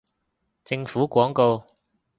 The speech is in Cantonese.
政府廣告